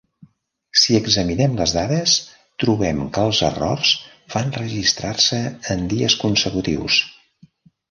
Si examinem les dades, trobem que els errors van registrar-se en dies consecutius.